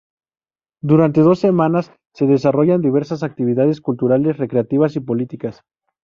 Durante dos semanas se desarrollaron diversas actividades culturales, recreativas y políticas.